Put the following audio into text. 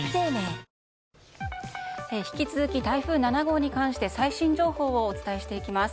引き続き台風７号に関して最新情報をお伝えします。